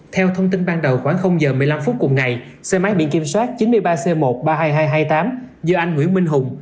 theo thông tin ban đầu khoảng giờ một mươi năm phút cùng ngày xe máy biển kiểm soát chín mươi ba c một trăm ba mươi hai nghìn hai trăm hai mươi tám do anh nguyễn minh hùng